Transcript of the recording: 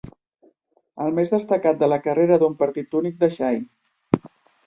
El més destacat de la carrera d'un partit únic de Jay.